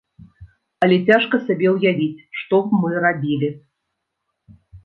Але цяжка сабе ўявіць, што б мы рабілі.